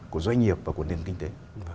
của doanh nghiệp và của nền kinh tế